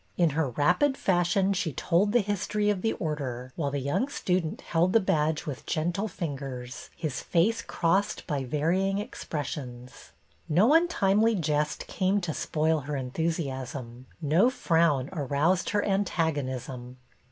In her rapid fashion she told the history of the Order, while the young student held the badge with gentle fingers, his face crossed by varying expres sions. No untimely jest came to spoil her enthusiasm, no frown aroused her antagon ism.